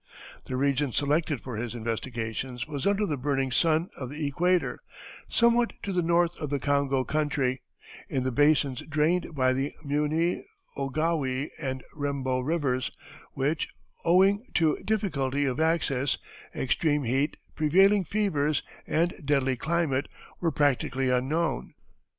The region selected for his investigations was under the burning sun of the equator, somewhat to the north of the Congo country, in the basins drained by the Muni, Ogowe, and Rembo Rivers, which, owing to difficulty of access, extreme heat, prevailing fevers, and deadly climate, were practically unknown.